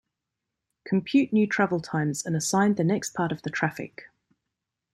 Compute new travel times and assign the next part of the traffic.